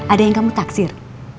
ada yang kamu taksir